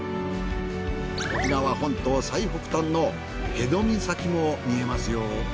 沖縄本島最北端の辺戸岬も見えますよ。